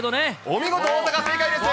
お見事、大阪正解です。